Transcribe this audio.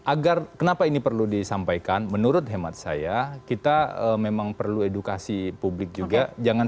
agar kenapa ini perlu disampaikan menurut hemat saya kita memang perlu edukasi publik juga jangan